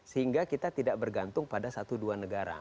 sehingga kita tidak bergantung pada satu dua negara